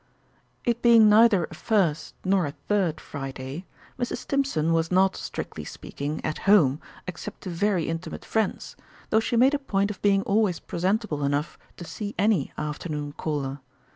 It being neither a First nor a Third Friday, Mrs. Stimpson was not, strictly speaking, "at home" except to very intimate friends, though she made a point of being always presentable enough to see any afternoon caller.